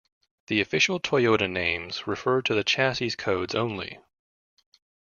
The official Toyota names refer to the chassis codes only.